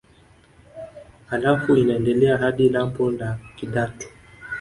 Halafu inaendelea hadi lambo la Kidatu